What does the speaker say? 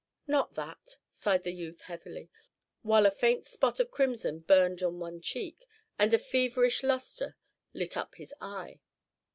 "Nor that," sighed the youth, heavily, while a faint spot of crimson burned on one cheek, and a feverish lustre lit up his eye.